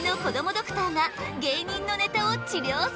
ドクターが芸人のネタを治りょうする！